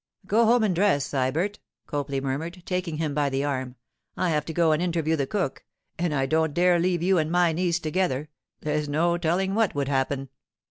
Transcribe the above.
'Go home and dress, Sybert,' Copley murmured, taking him by the arm. 'I have to go and interview the cook, and I don't dare leave you and my niece together. There's no telling what would happen.